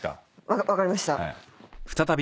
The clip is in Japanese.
分かりました。